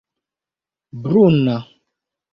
bruna